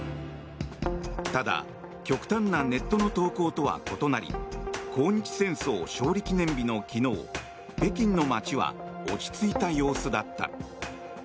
ただ極端なネットの投稿とは異なり抗日戦争勝利記念日の昨日北京の街は落ち着いた様子だった。